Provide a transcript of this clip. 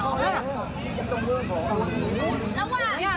โอ้วเธอแล้ว